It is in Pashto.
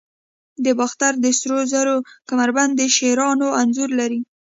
د باختر د سرو زرو کمربند د شیرانو انځور لري